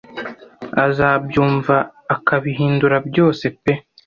azabyumva akabihindura byose pe